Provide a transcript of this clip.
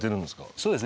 そうですね。